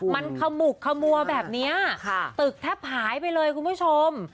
มันขมุกขมัวแบบนี้ตึกแทบหายไปเลยคุณผู้ชม